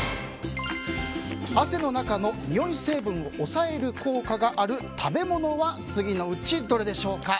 汗の中のにおい成分を抑える効果がある食べ物は次のうちどれでしょうか？